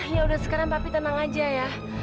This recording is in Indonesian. ya udah sekarang tapi tenang aja ya